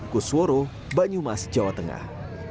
kusworo banyumas jawa tengah